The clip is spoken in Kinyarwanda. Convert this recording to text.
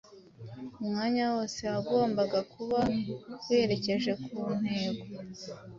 umwanya wose wagombaga kuba werekeje ku ntego,